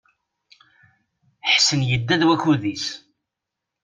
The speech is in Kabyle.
Ḥsen yedda deg wakud-is.